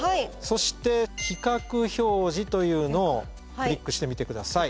そして「比較表示」というのをクリックしてみて下さい。